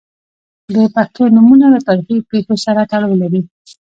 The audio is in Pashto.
• د پښتو نومونه له تاریخي پیښو سره تړاو لري.